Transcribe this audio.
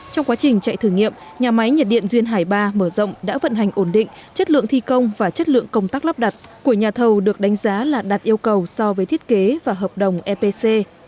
trong quá trình chạy thử nghiệm nhà máy nhiệt điện duyên hải ba mở rộng đã vận hành ổn định chất lượng thi công và chất lượng công tác lắp đặt của nhà thầu được đánh giá là đạt yêu cầu so với thiết kế và hợp đồng epc